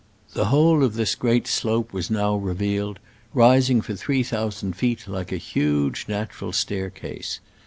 The whole of this great slope was now revealed, rising for three thou sand feet like a huge natural staircase.